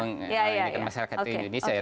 menyelidiki masyarakat di indonesia ya